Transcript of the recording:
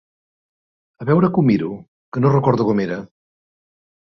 A veure que ho miro que no recordo com era.